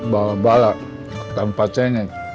balak balak tanpa cengek